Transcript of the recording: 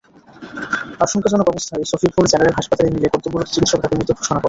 আশঙ্কাজনক অবস্থায় সফিপুর জেনারেল হাসপাতালে নিলে কর্তব্যরত চিকিৎসক তাঁকে মৃত ঘোষণা করে।